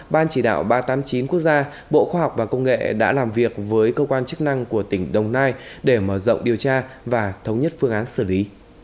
ban chỉ đạo ba trăm tám mươi chín quốc gia bộ khoa học và công nghệ đã làm việc với cơ quan chức năng của tỉnh đồng nai để mở rộng điều tra và thống nhất phương án xử lý